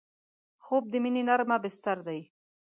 خوب د مینې نرمه بستر ده